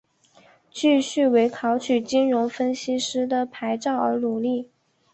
继续为考取金融分析师的牌照而努力。